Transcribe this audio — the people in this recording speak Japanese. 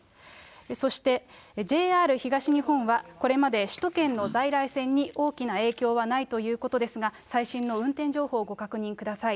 そしてＪＲ東日本は、これまで首都圏の在来線に大きな影響はないということですが、最新の運転情報をご確認ください。